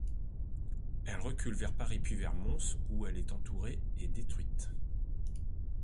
Elle recule vers Paris puis vers Mons où elle est entourée et détruite.